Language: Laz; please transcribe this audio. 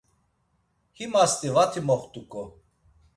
Him asti vati moxt̆uǩo.